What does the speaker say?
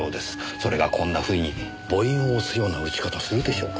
それがこんなふうに母印を押すような打ち方をするでしょうか？